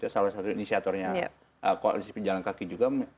salah satu inisiatornya koalisi pejalan kaki juga